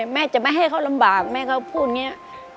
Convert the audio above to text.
แม่จะไม่ให้เขาลำบากแม่เขาพูดอย่างนี้